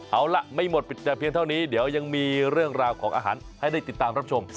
เอาล่ะไม่หมดแต่เพียงเท่านี้เดี๋ยวยังมีเรื่องราวของอาหารให้ได้ติดตามรับชม